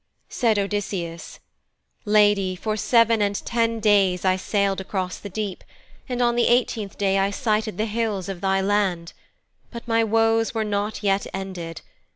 Said Odysseus, 'Lady, for seven and ten days I sailed across the deep, and on the eighteenth day I sighted the hills of thy land. But my woes were not yet ended.